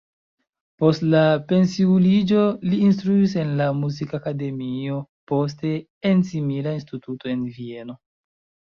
Post la pensiuliĝo li instruis en la Muzikakademio, poste en simila instituto en Vieno.